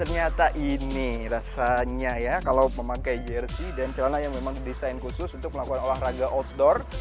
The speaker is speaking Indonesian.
ternyata ini rasanya ya kalau memakai jersey dan celana yang memang didesain khusus untuk melakukan olahraga outdoor